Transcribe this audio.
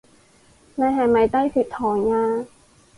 你係咪低血糖呀？